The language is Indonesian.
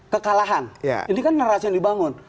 kekalahan ini kan narasi yang dibangun